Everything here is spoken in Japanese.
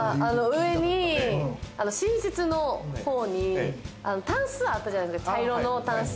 上に寝室の方にタンスあったじゃないですか、茶色のタンス。